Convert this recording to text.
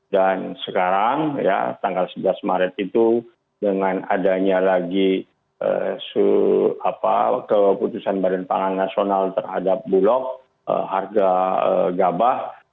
dan sekarang ya tanggal sebelas maret itu dengan adanya lagi keputusan badan pangan nasional terhadap bulog harga gabah